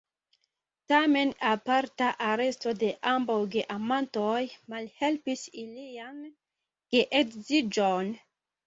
Tamen aparta aresto de ambaŭ geamantoj malhelpis ilian geedziĝon.